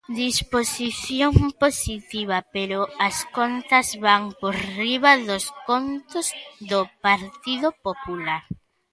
Disposición positiva, pero as contas van por riba dos contos do Partido Popular.